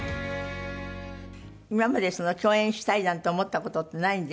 今まで共演したいなんて思った事ってないんですって？